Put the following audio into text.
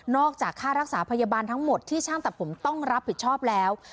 จากค่ารักษาพยาบาลทั้งหมดที่ช่างตัดผมต้องรับผิดชอบแล้ว